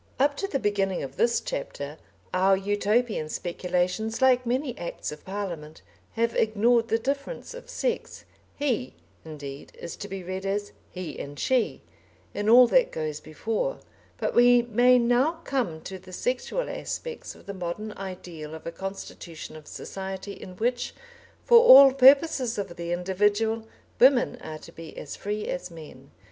Up to the beginning of this chapter, our Utopian speculations, like many Acts of Parliament, have ignored the difference of sex. "He" indeed is to be read as "He and She" in all that goes before. But we may now come to the sexual aspects of the modern ideal of a constitution of society in which, for all purposes of the individual, women are to be as free as men.